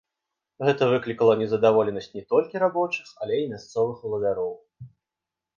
Гэта выклікала незадаволенасць не толькі рабочых, але і мясцовых уладароў.